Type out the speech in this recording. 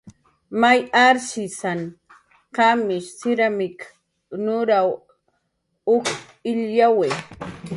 May artisan qamish siramik nuraw uk illyawi